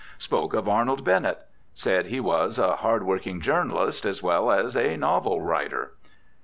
Spoke of Arnold Bennett; said he was "a hard working journalist as well as a novel writer."